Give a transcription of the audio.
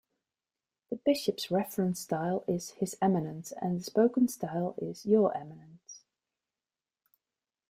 The bishop's reference style is "His Eminence" and the spoken style is "Your Eminence".